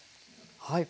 はい。